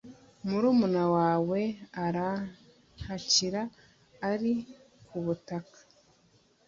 murumuna wawe arantakira ari ku butaka